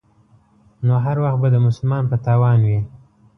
نو هر وخت به د مسلمان په تاوان وي.